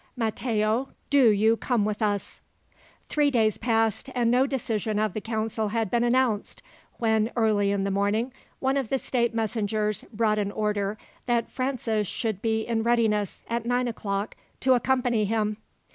"Matteo, do you come with us." Three days passed, and no decision of the council had been announced, when, early in the morning, one of the state messengers brought an order that Francis should be in readiness, at nine o'clock, to accompany him.